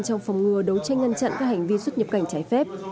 trong phòng ngừa đấu tranh ngăn chặn các hành vi xuất nhập cảnh trái phép